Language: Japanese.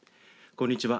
こんにちは。